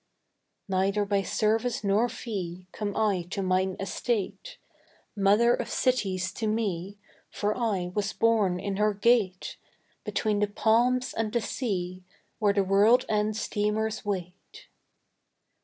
(Neither by service nor fee Come I to mine estate Mother of Cities to me, For I was born in her gate, Between the palms and the sea, Where the world end steamers wait.)